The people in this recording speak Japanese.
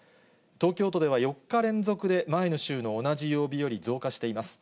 東京都では４日連続で前の週の同じ曜日より増加しています。